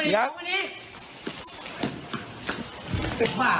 อย่า